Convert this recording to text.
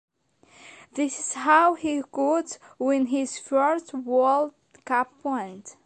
This is how he could win his first world cup points.